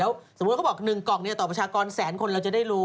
แล้วสมมุติเขาบอกหนึ่งกล่องนี้ต่อประชากรแสนคนแล้วจะได้รู้